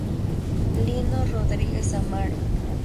Lino Rodríguez Amaro.